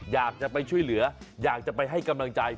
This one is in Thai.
อยากจะไปช่วยเหลืออยากจะไปให้กำลังใจ